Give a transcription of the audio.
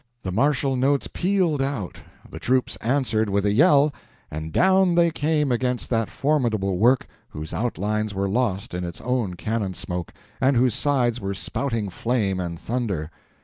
The martial notes pealed out, the troops answered with a yell, and down they came against that formidable work, whose outlines were lost in its own cannon smoke, and whose sides were spouting flame and thunder.